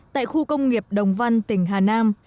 tại khu công nghiệp đồng văn tỉnh hà nam